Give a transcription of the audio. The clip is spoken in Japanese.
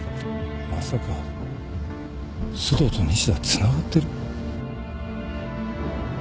まさか須藤と西田はつながってる？